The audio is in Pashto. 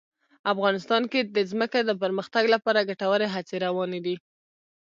افغانستان کې د ځمکه د پرمختګ لپاره ګټورې هڅې روانې دي.